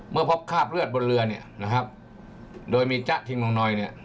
เมื่อพบคราบเลือดบนเรือเนี่ยนะครับโดยมีจ๊ะทิงของนอยเนี่ย